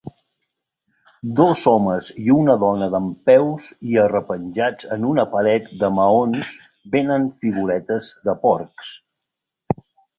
Dos homes i una dona dempeus i arrepenjats en una paret de maons venen figuretes de porcs.